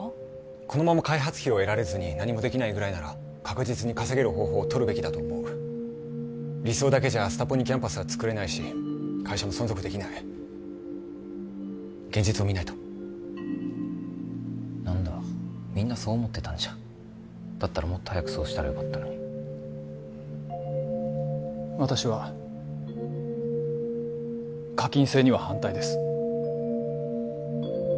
このまま開発費を得られずに何もできないぐらいなら確実に稼げる方法をとるべきだと思う理想だけじゃスタポニキャンパスは作れないし会社も存続できない現実を見ないと何だみんなそう思ってたんじゃんだったらもっと早くそうしたらよかったのに私は課金制には反対です